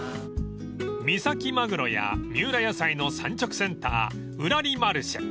［三崎マグロや三浦野菜の産直センターうらりマルシェ］